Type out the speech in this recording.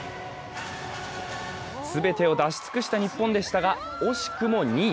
全てを出し尽くした日本でしたが惜しくも２位。